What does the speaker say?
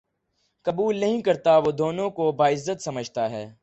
قبول نہیں کرتا وہ دونوں کو باعزت سمجھتا ہے